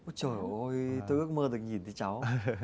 trời ơi tôi ước mơ được nhìn thấy cháu